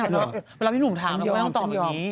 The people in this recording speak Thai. แล้วเวลาพี่หนุ่มถามทำไมต้องตอบอย่างนี้